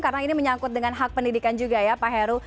karena ini menyangkut dengan hak pendidikan juga ya pak heru